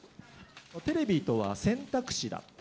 テレビとは、選択肢だ。